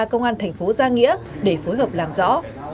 công an thành phố gia nghĩa để phối hợp làm rõ